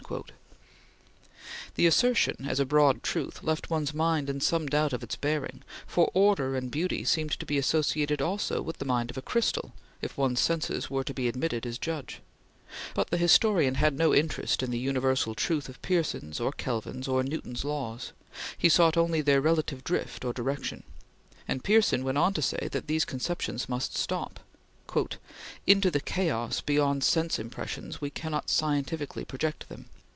The assertion, as a broad truth, left one's mind in some doubt of its bearing, for order and beauty seemed to be associated also in the mind of a crystal, if one's senses were to be admitted as judge; but the historian had no interest in the universal truth of Pearson's or Kelvin's or Newton's laws; he sought only their relative drift or direction, and Pearson went on to say that these conceptions must stop: "Into the chaos beyond sense impressions we cannot scientifically project them."